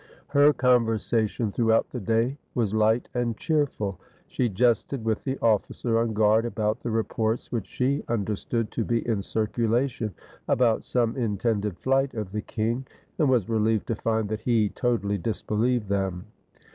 Her conversation through out the day was light and cheerful. She jested with the officer on guard about the reports which she understood to be in circulation about some intended flight of the king, and was reheved to find that he totally disbeheved them.